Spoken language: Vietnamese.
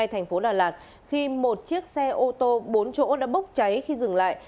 thành phố đà lạt khi một chiếc xe ô tô bốn chỗ đã bốc cháy khi dừng lại